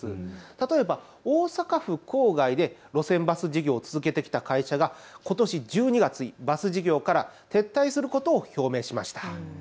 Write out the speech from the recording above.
例えば大阪府郊外で路線バス事業を続けてきた会社がことし１２月にバス事業から撤退することを表明しました。